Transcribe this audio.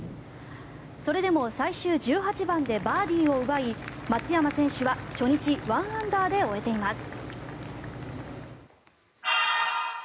それでも最終１８番でバーディーを奪い松山選手は初日１アンダーで終えています。